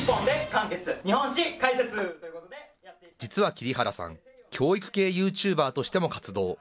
桐原さん、教育系ユーチューバーとしても活動。